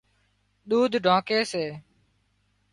ۮُوڌ ڍانڪي سي